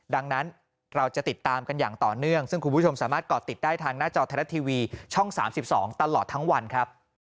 ดังนั้นเราจะติดตามกันอย่างต่อเนื่องซึ่งคุณผู้ชมสามารถก่อติดได้ทางหน้าจอไทยรัฐทีวีช่อง๓๒ตลอดทั้งวันครับ